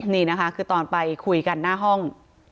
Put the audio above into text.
นี่นะคะคือตอนไปคุยกันหน้าห้อง